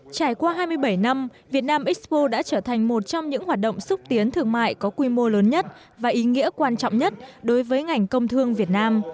trải qua hai mươi bảy năm việt nam expo đã trở thành một trong những hoạt động xúc tiến thương mại có quy mô lớn nhất và ý nghĩa quan trọng nhất đối với ngành công thương việt nam